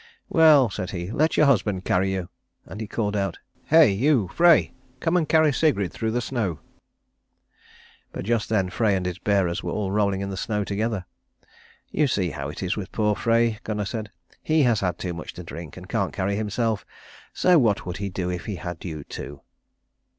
"Well," said he, "let your husband carry you." And he called out, "Hi you, Frey, come and carry Sigrid through the snow." But just then Frey and his bearers were all rolling in the snow together. "You see how it is with poor Frey," Gunnar said. "He has had too much to drink and can't carry himself, so what would he do if he had you too?"